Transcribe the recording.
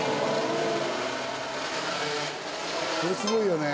これすごいよね。